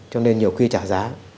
cho nên nhiều khi trả giá